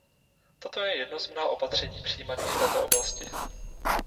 To je jedno z mnoha opatření přijímaných v této oblasti.